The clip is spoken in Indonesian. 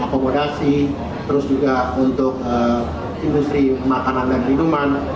akomodasi terus juga untuk industri makanan dan minuman